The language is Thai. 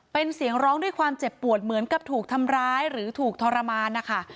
เป็นเสียงร้องด้วยความเจ็บปวดเหมือนกับถูกทำร้ายหรือถูกทรมานนะคะ